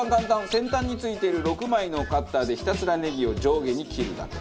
先端に付いている６枚のカッターでひたすらネギを上下に切るだけ。